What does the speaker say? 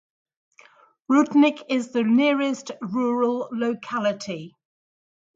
Rudnik is the nearest rural locality.